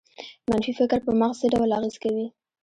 منفي فکر په مغز څه ډول اغېز کوي؟